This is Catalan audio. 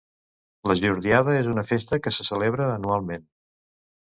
La Jordiada és una festa que se celebra anualment.